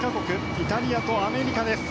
イタリアとアメリカです。